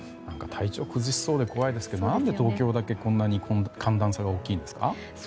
体調を崩しそうで怖いですけどなぜ東京だけ、こんなに寒暖差が大きいんですか？